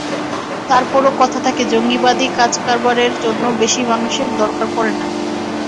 তারপরও কথা থাকে, জঙ্গিবাদী কাজকারবারের জন্য বেশি মানুষের দরকার পড়ে না।